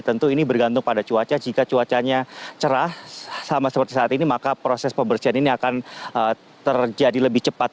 tentu ini bergantung pada cuaca jika cuacanya cerah sama seperti saat ini maka proses pembersihan ini akan terjadi lebih cepat